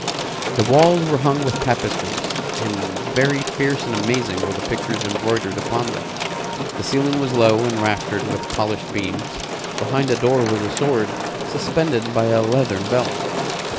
The walls were hung with tapestries, and very fierce and amazing were the pictures embroidered upon them. The ceiling was low and raftered with polished beams. Behind the door was a sword suspended by a leathern belt.